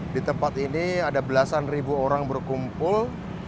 di tempat ini ada belasan ribu orang berkumpul